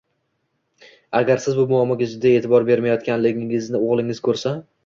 Agar siz bu muammoga jiddiy e’tibor bermayotganligingizni o‘g‘lingiz ko‘rsa